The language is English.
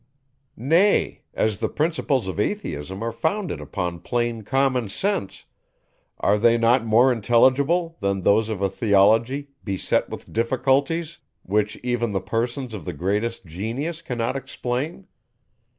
Nay, as the principles of Atheism are founded upon plain common sense, are they not more intelligible, than those of a theology, beset with difficulties, which even the persons of the greatest genius cannot explain?